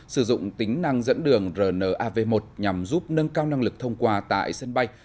sử dụng tính năng dẫn đường rnav một nhằm giúp nâng cao năng lực thông qua tại sân bay